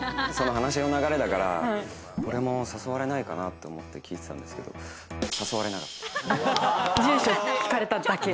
その話の流れだから、俺も誘われないかな？と思って聞いていたんですけれど、誘われなかった。